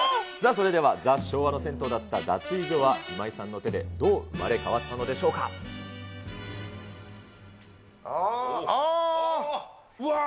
それでは、ザ昭和の銭湯だった脱衣所は、今井さんの手でどう生まれ変わっああ、あー！